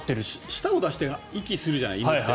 舌を出して息をするじゃない、犬って。